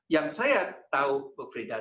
yang saya tahu pak frieda